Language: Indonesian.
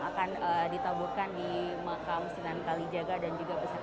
akan ditaburkan di makam sunan kalijaga dan juga besar